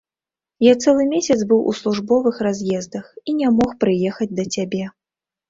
Я цэлы месяц быў у службовых раз'ездах і не мог прыехаць да цябе.